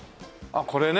これね。